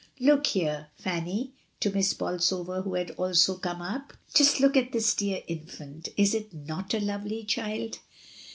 "Look here, Fanny" (to Miss Bolsover, who had also come up); "just look at this dear infant, is it not a lovely child?"